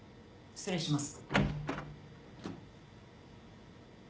失礼します。